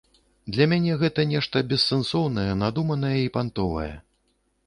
Для мяне гэта нешта бессэнсоўнае, надуманае і пантовае.